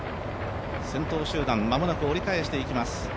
先頭集団、間もなく折り返しています。